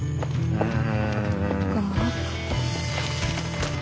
うん？